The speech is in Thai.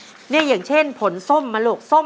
คุณยายแจ้วเลือกตอบจังหวัดนครราชสีมานะครับ